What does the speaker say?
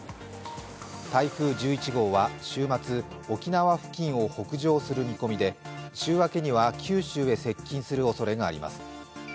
台風１１号は週末、沖縄付近を北上する見込みで週明けには、九州へ接近するおそれがあります。